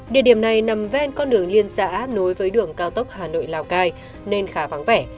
địa điểm này nằm ven con đường liên xã nối với đường cao tốc hà nội lào cai nên khá vắng vẻ